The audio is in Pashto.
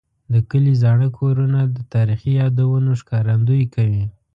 د کلي زاړه کورونه د تاریخي یادونو ښکارندوي کوي.